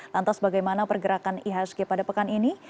lantas bagaimana pergerakan ihsg pada pekan ini